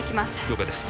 了解です